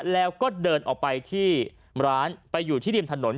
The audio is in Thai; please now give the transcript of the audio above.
แล้วก็เดินออกไปที่ร้านไปอยู่ที่ริมถนน